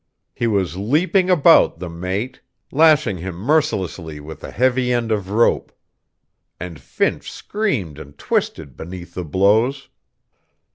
He was leaping about the mate, lashing him mercilessly with a heavy end of rope; and Finch screamed and twisted beneath the blows.